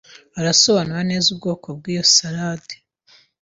arasobanura neza ubwoko bw’iyo salade